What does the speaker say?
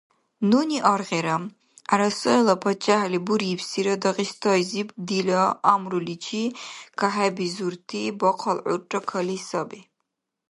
Нуни аргъира, ГӀярасайла паччяхӀли бурибсира Дагъистайзиб дила амруличи кахӀебизурти бахъал гӀурра кали саби.